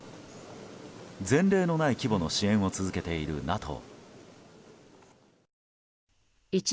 前例のない規模の支援を続けているＮＡＴＯ。